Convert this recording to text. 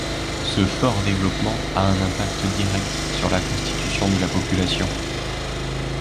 Ce fort développement a un impact direct sur la constitution de la population.